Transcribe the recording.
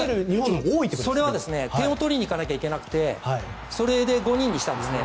それは点を取りに行かなきゃいけなくてそれで５人にしたんですね。